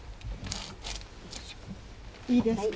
いいですか？